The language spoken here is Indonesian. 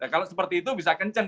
kalau seperti itu bisa kencen